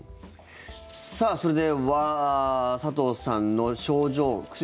それでは、佐藤さんの症状久住